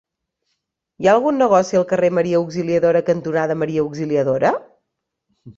Hi ha algun negoci al carrer Maria Auxiliadora cantonada Maria Auxiliadora?